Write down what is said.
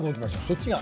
そっちが。